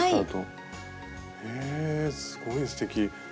へえすごいすてき。